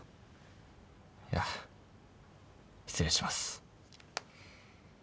いや失礼します。